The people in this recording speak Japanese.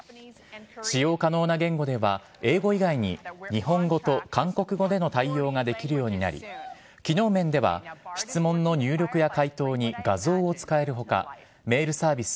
使用可能な言語では、英語以外に日本語と韓国語での対応ができるようになり機能面では質問の入力や回答に画像を使える他メールサービス